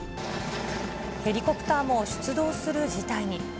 ヘリコプターも出動する事態に。